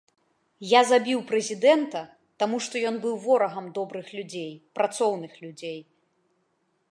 Я забіў прэзідэнта, таму што ён быў ворагам добрых людзей, працоўных людзей.